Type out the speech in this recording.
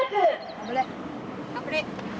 ・頑張れ。